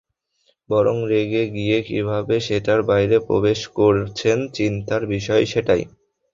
বরং রেগে গিয়ে কীভাবে সেটার বাইরে প্রকাশ করছেন, চিন্তার বিষয় সেটাই।